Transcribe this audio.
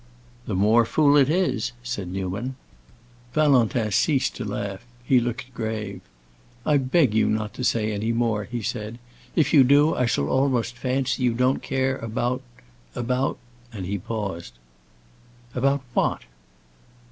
"The more fool it is!" said Newman. Valentin ceased to laugh; he looked grave. "I beg you not to say any more," he said. "If you do I shall almost fancy you don't care about—about"—and he paused. "About what?"